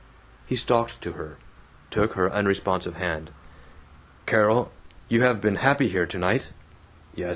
He stalked to her; took her unresponsive hand. "Carol! You have been happy here tonight? (Yes.